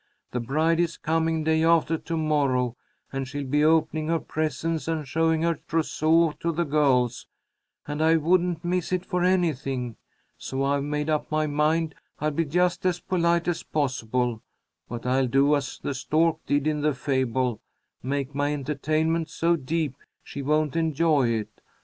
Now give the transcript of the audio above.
The bride is coming day after to morrow, and she'll be opening her presents and showing her trousseau to the girls, and I wouldn't miss it for anything. So I've made up my mind I'll be just as polite as possible, but I'll do as the stork did in the fable; make my entertainment so deep she won't enjoy it.